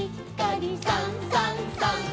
「さんさんさん」